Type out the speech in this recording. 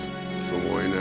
すごいね。